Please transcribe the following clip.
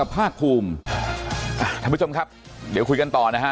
ภาคภูมิท่านผู้ชมครับเดี๋ยวคุยกันต่อนะฮะ